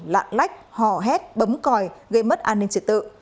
khách hò hét bấm còi gây mất an ninh trật tự